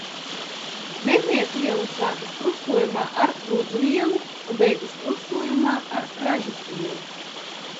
Mednieku iela sākas krustojumā ar Rudzu ielu un beidzas krustojumā ar Ražas ielu.